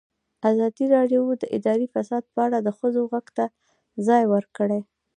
ازادي راډیو د اداري فساد په اړه د ښځو غږ ته ځای ورکړی.